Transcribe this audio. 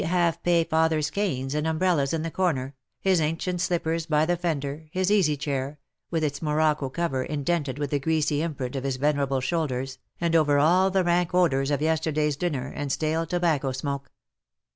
185 half pay father^s canes and umbrellas in the corner, his ancient slippers by the fender, his easy chair, with its morocco cover indented with the greasy imprint of his venerable shoulders, and over all the rank odours of yesterday^s dinner and stale tobacco smoke.